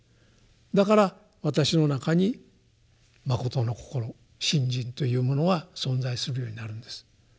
だから私の中にまことの心信心というものは存在するようになるんです。